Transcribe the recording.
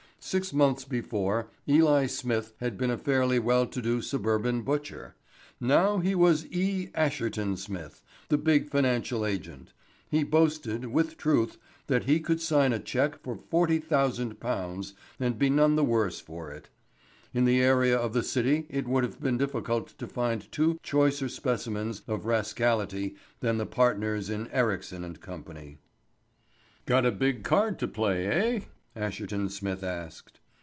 Six months before Eli Smith had been a fairly well to do suburban butcher. Now he was E. Asherton Smith, the big financial agent. He boasted, with truth, that he could sign a cheque for £40,000 and be none the worse for it. In the area of the City it would have been difficult to find two choicer specimens of rascality than the partners in Ericsson & Co. "Got a big card to play, eh?" Asherton Smith asked.